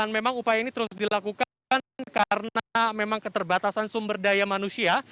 memang upaya ini terus dilakukan karena memang keterbatasan sumber daya manusia